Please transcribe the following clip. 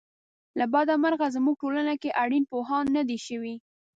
له بده مرغه زموږ ټولنه کې اړین پوهاوی نه دی شوی.